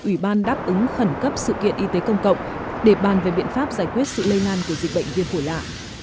ủy ban đáp ứng khẩn cấp sự kiện y tế công cộng để bàn về biện pháp giải quyết sự lây lan của dịch bệnh viêm phổi lạ